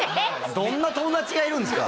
どんな友達がいるんですか？